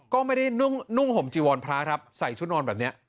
ก็ไม่ได้นุ่งห่มจีวรพระครับใส่ชุดนอนแบบนี้